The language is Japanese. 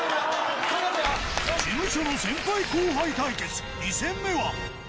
事務所の先輩後輩対決、２戦目は。